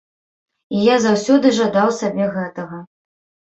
І я заўсёды жадаў сабе гэтага.